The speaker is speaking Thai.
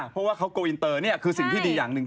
เพราะว่าเขาโกอินเตอร์นี่คือสิ่งที่ดีอย่างหนึ่ง